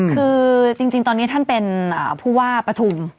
คือจริงตอนนี้ท่านเป็นผู้ว่าปฐุม